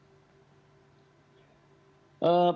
bagaimana menurut anda